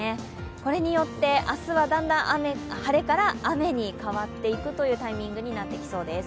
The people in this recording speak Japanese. これによって、明日はだんだん晴れから雨に変わっていくというタイミングになってきそうです。